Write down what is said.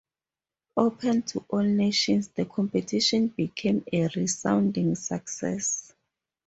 Open to all nations the competition became a resounding success.